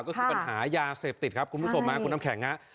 ก็คือปัญหายาเสพติดครับคุณผู้ชมคุณน้ำแข็งฮะ